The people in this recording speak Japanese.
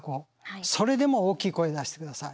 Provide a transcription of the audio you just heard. それでも大きい声出してください。